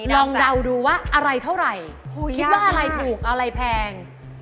เดาดูว่าอะไรเท่าไหร่คิดว่าอะไรถูกอะไรแพง